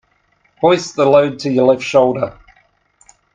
Hoist the load to your left shoulder.